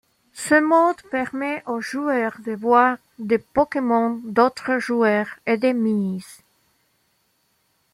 Ce mode permet au joueur de voir des Pokémon d'autres joueurs et des Miis.